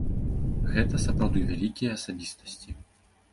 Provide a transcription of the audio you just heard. Гэта сапраўды вялікія асабістасці.